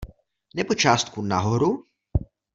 Nebo částku nahoru?